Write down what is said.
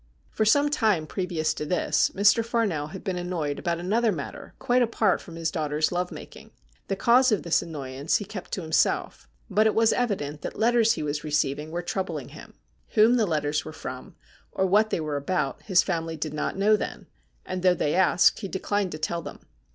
For some time previous to this, Mr. Farnell had been annoyed about another matter quite apart from his daughter's love making. The cause of this annoyance he kept to him self, but it was evident that letters he was receiving were troubling him. Whom the letters were from, or what they were about, his family did not know then, and, though they asked, he declined to tell them.